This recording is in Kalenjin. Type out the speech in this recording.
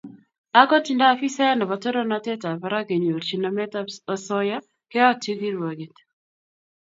Agot nda afisayat nebo torornatetab barak ngenyorchi nametab osoya keyotyi kirwoket